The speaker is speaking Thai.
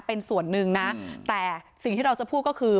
เป็นส่วนหนึ่งนะแต่สิ่งที่เราจะพูดก็คือ